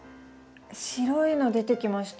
白いの出てきました。